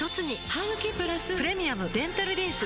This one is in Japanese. ハグキプラス「プレミアムデンタルリンス」